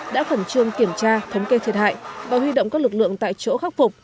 đã khẩn trương kiểm tra thống kê thiệt hại và huy động các lực lượng tại chỗ khắc phục